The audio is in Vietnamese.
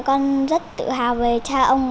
con rất tự hào về cha ông